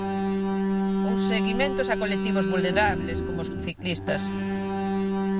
Ou seguimentos a colectivos vulnerables, como os ciclistas.